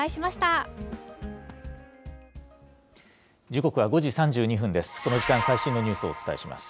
時刻は５時３２分です。